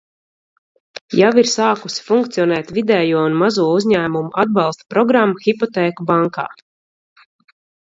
Jau ir sākusi funkcionēt vidējo un mazo uzņēmumu atbalsta programma Hipotēku bankā.